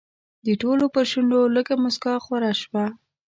د ټولو پر شونډو لږه موسکا خوره شوه.